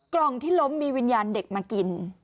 กล่องที่ล้มมีวิญญาณเด็กมากิน